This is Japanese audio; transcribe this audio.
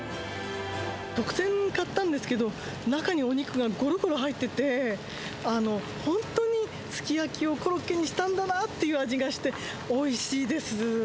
特撰買ったんですけど、中にお肉がごろごろ入ってて、本当にすき焼きをコロッケにしたんだなっていう味がして、おいしいです。